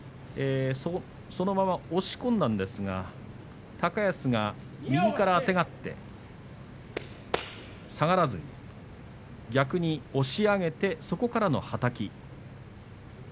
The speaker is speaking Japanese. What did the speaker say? そのまま押し込んだんですが高安が右からあてがって下がらずに逆に押し上げてそこからの、はたき。